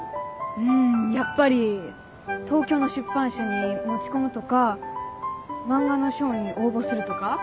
うんやっぱり東京の出版社に持ち込むとか漫画の賞に応募するとか？